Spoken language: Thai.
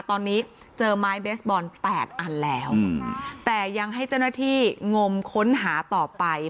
ตอนนี้เจอไม้เบสบอล๘อันแล้วแต่ยังให้เจ้าหน้าที่งมค้นหาต่อไป